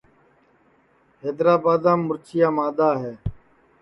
حیدرابادام مُرچیا مادَا ہے